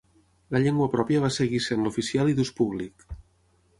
La llengua pròpia va seguir sent l'oficial i d'ús públic.